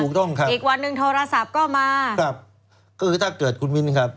ถูกต้องครับอีกวันหนึ่งโทรศัพท์ก็มาครับก็คือถ้าเกิดคุณมิ้นครับ